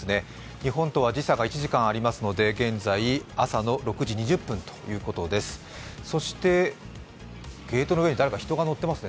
日本とは時差が１時間ありますので現在朝の６時２０分ということになりますね。